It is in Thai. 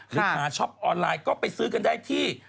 หรือขาช็อปออนไลน์ก็ไปซื้อกันได้ที่